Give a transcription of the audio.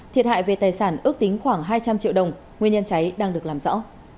thiệt hại về tài sản ước tính khoảng hai trăm linh triệu đồng nguyên nhân cháy đang được làm rõ